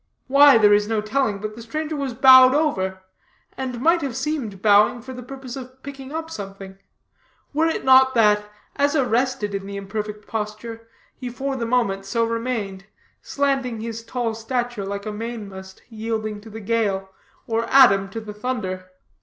Why, there is no telling, but the stranger was bowed over, and might have seemed bowing for the purpose of picking up something, were it not that, as arrested in the imperfect posture, he for the moment so remained; slanting his tall stature like a mainmast yielding to the gale, or Adam to the thunder.